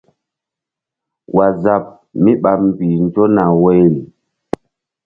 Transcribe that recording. Waazap mí ɓa mbih nzo na woyri.